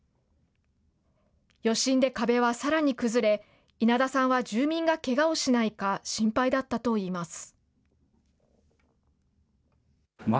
余震で壁はさらに崩れ、稲田さんは住民がけがをしないか、心配だったといいます。